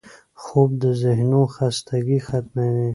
خوب د ذهنو خستګي ختموي